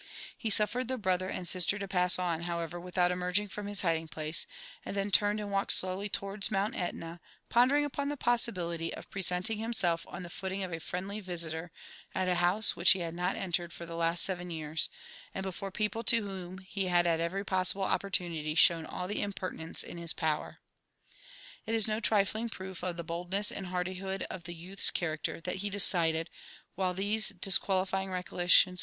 He suffered the brother and sister to pass on, however^ without emerging from his hiding place, and then turned and walked slowly towards Mount Etna, pondering upon the possibility of presenting himself on the footing of a friendly visiter at a house which he had not entered for the last seven years, and before people to whom he had at every possible opportunity shown all the impertinence in his power. It is no trifling proof of the boldness and hardihood of the youth's character, that he decided, while these disqualifying recollections JONATHAN JEFFERSON WHITLAW.